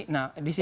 nah di sini